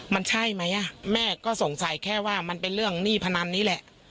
มันใช่ไหมแม่ก็สงสัยแค่ว่ามันเป็นเรื่องหนี้พนันนี้แหละ